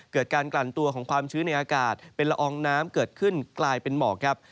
เกิดการกลั่นตัวของความชื้นในอากาศเป็นละอองน้ำเกิดขึ้นกลายเป็นหมอกครับ